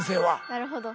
なるほど。